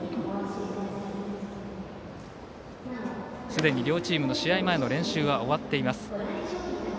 すでに両チームの試合前の練習は終わっています。